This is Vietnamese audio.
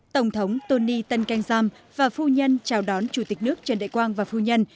tổng thống tony tengkengsam và phu nhân chào đón chủ tịch nước trần đại quang và phu nhân